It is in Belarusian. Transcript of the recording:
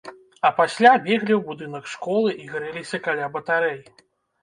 А пасля беглі ў будынак школы і грэліся каля батарэй.